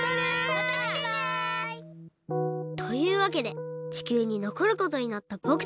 またきてね！というわけで地球にのこることになったぼくたち。